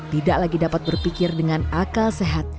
tidak lagi dapat berpikir dengan akal sehat